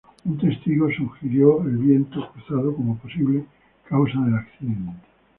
Un testigo sugirió el viento cruzado como posible causa del accidente.